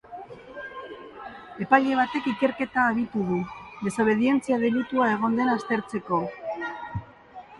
Epaile batek ikerketa abitu du, desobedientzia delitua egon den aztertzeko.